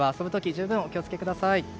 十分、お気を付けください。